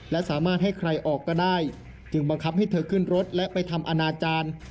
และสามารถให้ใครออกก็ได้จึงบังคับให้เธอขึ้นรถและไปทำอนาจารย์